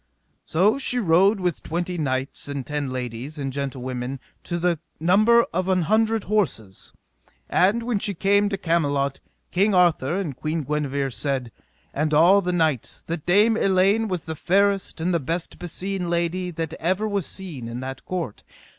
So she rode with twenty knights, and ten ladies, and gentlewomen, to the number of an hundred horses. And when she came to Camelot, King Arthur and Queen Guenever said, and all the knights, that Dame Elaine was the fairest and the best beseen lady that ever was seen in that court.